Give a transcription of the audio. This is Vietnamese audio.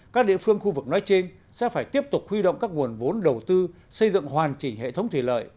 các địa phương khu vực nói trên sẽ phải tiếp tục huy động các nguồn vốn đầu tư xây dựng hoàn chỉnh hệ thống thủy lợi